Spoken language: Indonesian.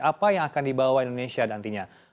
apa yang akan dibawa indonesia nantinya